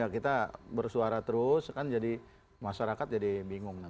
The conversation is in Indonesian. kita bersuara terus kan jadi masyarakat jadi bingung